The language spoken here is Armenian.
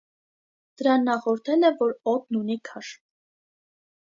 Դրան նախորդել է, որ օդն ունի քաշ։